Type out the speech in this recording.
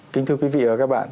kính thưa quý vị và các bạn